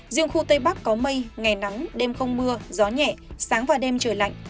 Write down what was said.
riêng khu tây bắc có mây ngày nắng đêm không mưa gió nhẹ sáng và đêm trời lạnh